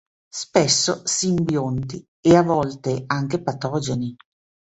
Spesso simbionti e a volte anche patogeni.